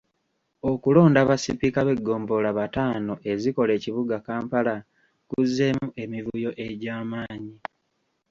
Okulonda basipiika b’eggombolola bataano ezikola ekibuga Kampala kuzzeemu emivuyo egy’amaanyi .